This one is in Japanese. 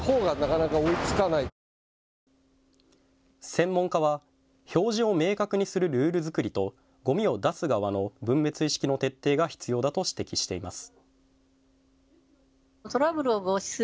専門家は表示を明確にするルール作りとごみを出す側の分別意識の徹底が必要だと指摘しています。